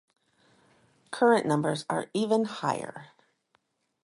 Current numbers are even higher.